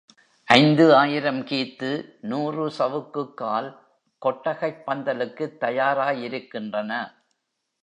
ஐந்து ஆயிரம் கீத்து, நூறு சவுக்குக்கால் கொட்டகைப் பந்தலுக்குத் தயாராயிருக்கின்றன.